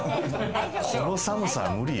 この寒さは無理よ。